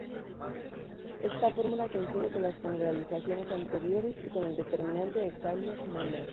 Esta fórmula coincide con las generalizaciones anteriores y con el determinante de Cayley-Menger.